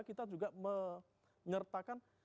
kita juga menyertakan